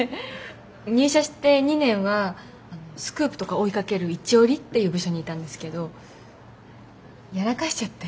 入社して２年はスクープとか追いかける一折っていう部署にいたんですけどやらかしちゃって。